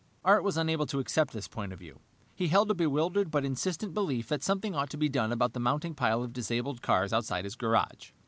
Art was unable to accept this point of view. He held a bewildered but insistent belief that something ought to be done about the mounting pile of disabled cars outside his garage.